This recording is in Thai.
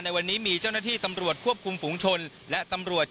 ในวันนี้มีเจ้าหน้าที่ตำรวจควบคุมฝุงชนและตำรวจ